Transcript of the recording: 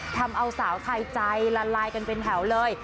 ทำเอาสาวไทยใจละลายกันเป็นแถวเลย